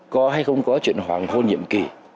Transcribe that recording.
có hay không có chuyện hoàng hôn nhiệm kỳ